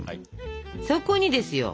そこにですよ。